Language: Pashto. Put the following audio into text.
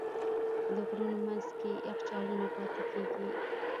د غرونو منځ کې یخچالونه پاتې کېږي.